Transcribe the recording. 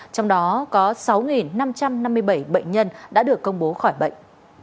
trong đó có sáu năm trăm năm mươi bảy bệnh nhân đã được công bố khỏi bệnh